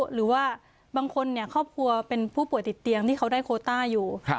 หรือว่าบางคนครอบครัวเป็นผู้ป่วยติดเตียงที่เขาได้โคต้าอยู่